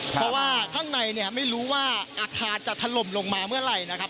เพราะว่าข้างในเนี่ยไม่รู้ว่าอาคารจะถล่มลงมาเมื่อไหร่นะครับ